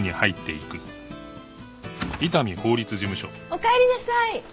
おかえりなさい。